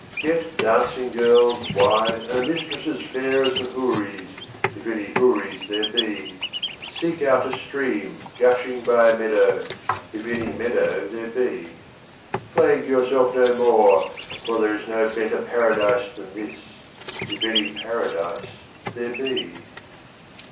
Get dancing girls, wine, and a mistress as fair as the houris, if any houris there be. Seek out a stream gushing by a meadow, if any meadow there be. Plague yourself no more, for there is no better Paradise than this, if any Paradise there be.